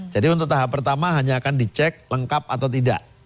jadi untuk tahap pertama hanya akan dicek lengkap atau tidak